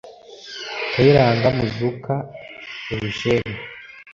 Kayiranga Muzuka Eugène